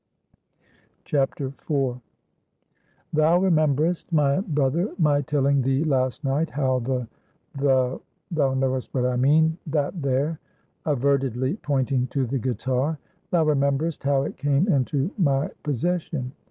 IV. "Thou rememberest, my brother, my telling thee last night, how the the thou knowest what I mean that, there" avertedly pointing to the guitar; "thou rememberest how it came into my possession.